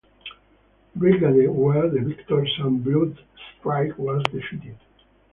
Brigade were the victors and Bloodstrike was defeated.